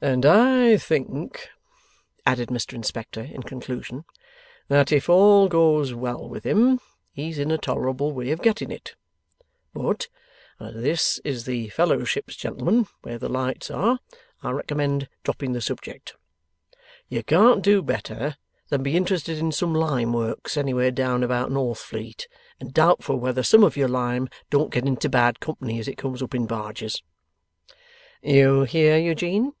'And I think,' added Mr Inspector, in conclusion, 'that if all goes well with him, he's in a tolerable way of getting it. But as this is the Fellowships, gentlemen, where the lights are, I recommend dropping the subject. You can't do better than be interested in some lime works anywhere down about Northfleet, and doubtful whether some of your lime don't get into bad company as it comes up in barges.' 'You hear Eugene?